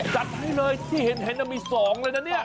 จัดให้เลยที่เห็นมี๒เลยนะเนี่ย